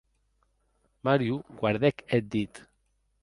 Mario guardèc eth dit.